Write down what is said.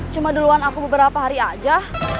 cuma duluan aku beberapa hari aja